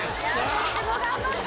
どっちも頑張った。